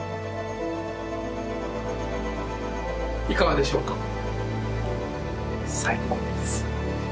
いかがでしょうか？